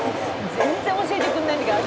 「全然教えてくれないんだけど味」